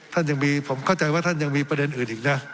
ท่านยังมีผมเข้าใจว่าท่านยังมีประเด็นอื่นอีกนะ